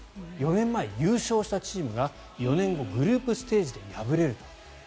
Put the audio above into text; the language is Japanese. ４年前優勝したチームが４年後、グループステージで敗れると。